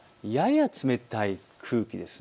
やや冷たい空気です。